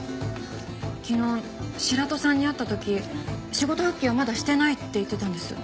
昨日白土さんに会った時仕事復帰はまだしてないって言ってたんです。